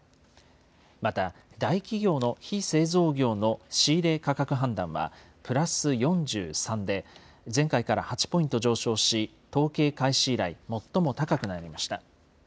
また大企業の非製造業の仕入価格判断はプラス４３で、前回から８ポイント上昇し、統計開始以来、最も高くなりました。